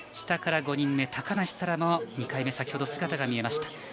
下から５人目、高梨沙羅の２回目先ほど、姿が見えました。